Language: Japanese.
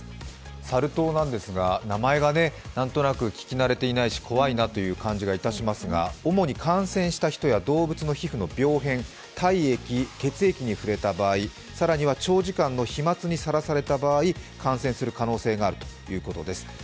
サル痘なんですが名前がなんとなく聞き慣れていないし、怖いなという感じがいたしますが主に感染した人や動物の皮膚の病片、体液、血液に触れた場合さらには長時間飛まつにさらされれた場合感染する可能性があるということです。